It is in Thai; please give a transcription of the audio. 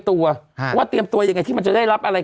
ตัวตัวว่าเตรียมตัวอย่างไรที่มันจะได้รับอะไร